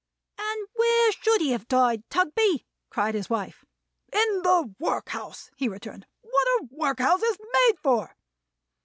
"And where should he have died, Tugby?" cried his wife. "In the workhouse," he returned. "What are workhouses made for?"